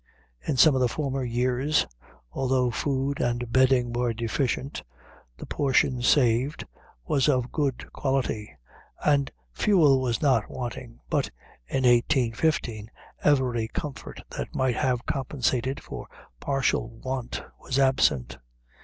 In some of the former years, although food and bedding were deficient, the portion saved was of good quality, and fuel was not wanting: but in 1815 every comfort that might have compensated for partial want was absent.